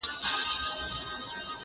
زه اوس د ښوونځي کتابونه مطالعه کوم